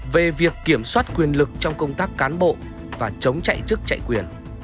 về việc kiểm soát quyền lực trong công tác cán bộ và chống chạy chức chạy quyền